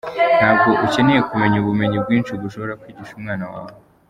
Ntabwo ukeneye kumenya ubumenyi bwinshi gushobora kwigisha umwana wawe.